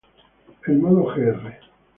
el modo gr